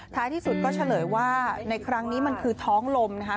ท้ายที่สุดก็เฉลยว่าในครั้งนี้มันคือท้องลมนะคะ